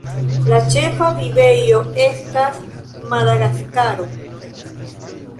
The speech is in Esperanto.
La ĉefa vivejo estas Madagaskaro.